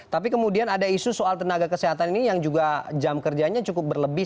tapi kemudian ada isu soal tenaga kesehatan ini yang juga jam kerjanya cukup berlebih